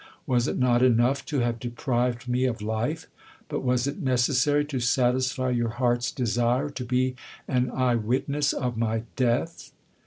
Was it not enough to have deprived me of life ? But was it necessary to satisfy your heart's desire, to be an eye witness of my death